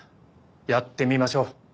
やってみましょう。